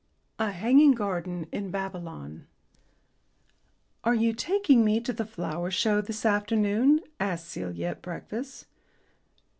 A HANGING GARDEN IN BABYLON "Are you taking me to the Flower Show this afternoon?" asked Celia at breakfast.